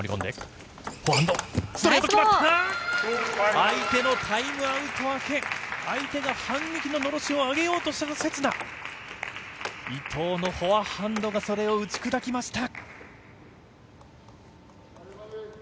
相手のタイムアウト明け相手が反撃ののろしを上げようとした刹那伊藤のフォアハンドがそれを打ち砕きました。